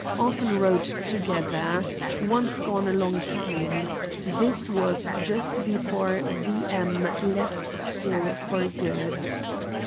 Often rode together; once gone a long time. This was just before V. M. left school for good.